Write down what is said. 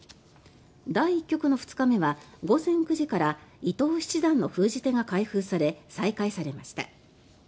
第１局の２日目は午前９時から伊藤七段の封じ手が開封され再開されました。